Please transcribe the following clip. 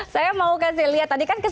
saya mau kasih lihat tadi kan saya lihat